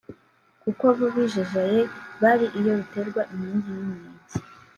Kuko bo bijajaye bari iyo ruterwa inkingi n’inkenke